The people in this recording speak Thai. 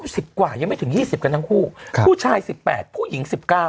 สิบกว่ายังไม่ถึงยี่สิบกันทั้งคู่ค่ะผู้ชายสิบแปดผู้หญิงสิบเก้า